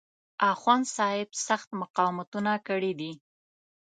اخوندصاحب سخت مقاومتونه کړي دي.